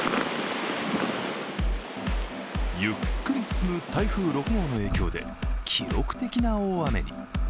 ゆっくり進む台風６号の影響で記録的な大雨に。